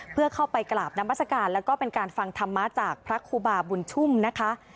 เพื่อเข้าไปกราบนามัศกาลแล้วก็เป็นการฟังธรรมะจากพระครูบาบุญชุ่มนะคะ